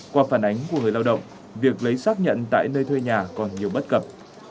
qua phản ánh của người lao động việc lấy xác nhận tại nơi thuê nhà còn nhiều bất cập